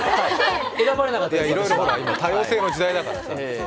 いや、今、いろいろ多様性の時代だから。